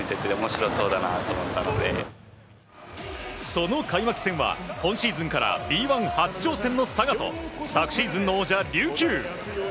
その開幕戦は、今シーズンからＢ１初挑戦の佐賀と昨シーズンの王者・琉球。